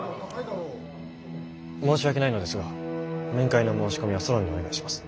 申し訳ないのですが面会の申し込みはソロンにお願いします。